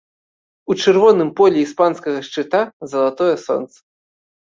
У чырвоным полі іспанскага шчыта залатое сонца.